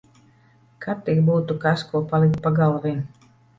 Kad tik būtu kas ko palikt pagalvī.